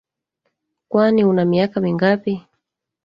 Kwani una miaka mingapi?